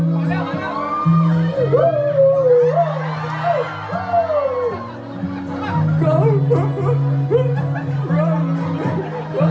ขอเสียงให้อาเธอหน่อยนะครับ